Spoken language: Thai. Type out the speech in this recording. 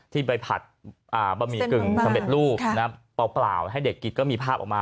ที่ไปผัดบะหมี่กึ่งสำเร็จรูปเปล่าให้เด็กกินก็มีภาพออกมา